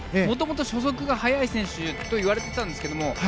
もともと初速が速い選手だといわれていたんですが